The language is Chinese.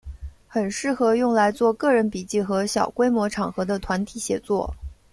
很适合用来做个人笔记和小规模场合的团体写作。